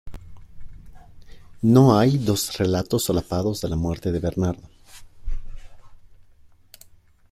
No hay dos relatos solapados de la muerte de Bernardo.